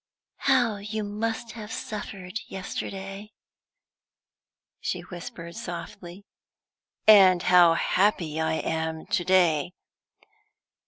"How you must have suffered yesterday!" she whispered, softly. "And how happy I am to day!"